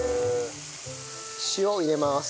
塩入れます。